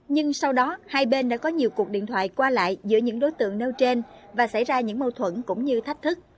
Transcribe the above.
nhưng sau đó hai bên đã có nhiều cuộc điện thoại qua lại giữa những đối tượng nêu trên và xảy ra những mâu thuẫn cũng như thách thức